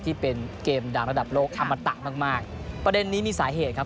ที่เป็นเกมดังระดับโลกอมตะมากมากประเด็นนี้มีสาเหตุครับ